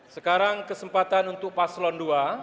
sekarang kesempatan untuk paslon dua